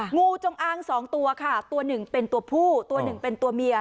งูจงอ้างสองตัวค่ะตัวหนึ่งเป็นตัวผู้ตัวหนึ่งเป็นตัวเมีย